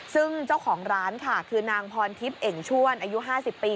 ซึ่งเจ้าของร้านค่ะคือนางพรทิพย์เอ่งชวนอายุ๕๐ปี